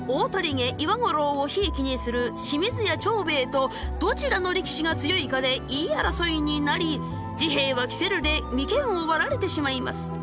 毛岩五郎をひいきにする清水屋長兵衛とどちらの力士が強いかで言い争いになり治兵衛は煙管で眉間を割られてしまいます。